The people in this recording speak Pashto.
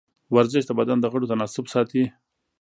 ورزش د بدن د غړو تناسب ساتي.